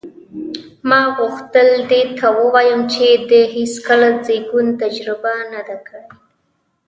ما غوښتل دې ته ووایم چې دې هېڅکله د زېږون تجربه نه ده کړې.